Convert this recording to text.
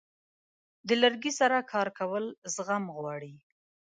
د لرګي سره کار کول زغم غواړي.